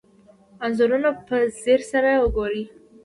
انځورونه په ځیر سره وګورئ.